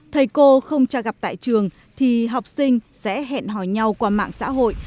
thầy cô không cho gặp tại trường thì học sinh sẽ hẹn hỏi nhau qua mạng xã hội